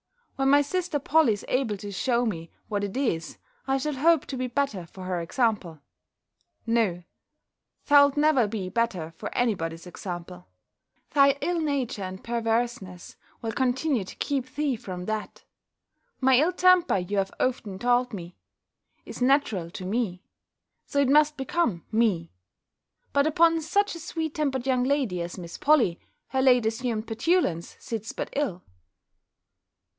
When my sister Polly is able to shew me what it is, I shall hope to be better for her example." "No, thou'lt never be better for any body's example! Thy ill nature and perverseness will continue to keep thee from that." "My ill temper, you have often told me, is natural to me; so it must become me: but upon such a sweet tempered young lady as Miss Polly, her late assumed petulance sits but ill!"